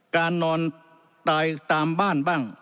การนอนตายตามบ้านบ้าง